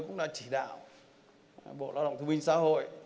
chúng tôi cũng đã chỉ đạo bộ lao động thông minh xã hội